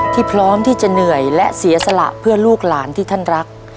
พร้อมที่จะเหนื่อยและเสียสละเพื่อลูกหลานที่ท่านรัก